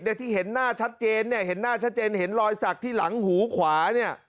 ที่เห็นหน้าชัดเจนเนี่ยเห็นหน้าชัดเจนเห็นรอยสักที่หลังหูขวาเนี่ย